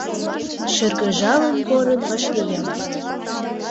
Шыргыжалын порын вашлиям.